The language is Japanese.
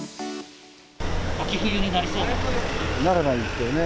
秋冬になりそうですね。